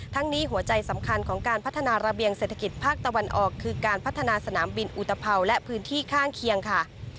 นี้หัวใจสำคัญของการพัฒนาระเบียงเศรษฐกิจภาคตะวันออกคือการพัฒนาสนามบินอุตภัวและพื้นที่ข้างเคียงค่ะ